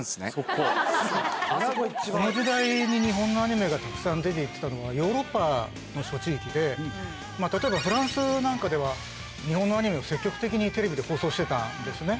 この時代に日本のアニメがたくさん出てきたのは、ヨーロッパの諸地域で例えばフランスなんかでは、日本のアニメを積極的にテレビで放送してたんですね。